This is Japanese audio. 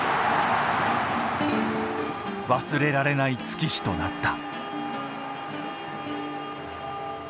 忘れられない月日となった。